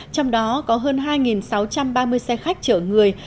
trong đó có hơn hai sáu trăm ba mươi xe khách chở người